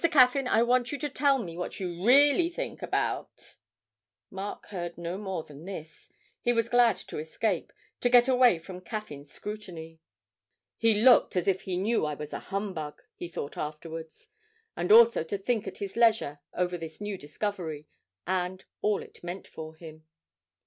Caffyn, I want you to tell me what you really think about ' Mark heard no more than this; he was glad to escape, to get away from Caffyn's scrutiny. 'He looked as if he knew I was a humbug!' he thought afterwards; and also to think at his leisure over this new discovery, and all it meant for him.